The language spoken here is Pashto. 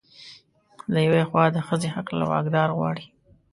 له يوې خوا د ښځې حق له واکدار غواړي